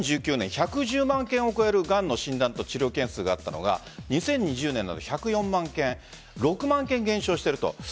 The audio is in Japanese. ２０１９年１１０万件を超えるがんの診断と治療件数があったのが２０２０年は１０４万件６万件、減少していると。